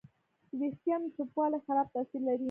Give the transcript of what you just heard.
د وېښتیانو چپوالی خراب تاثیر لري.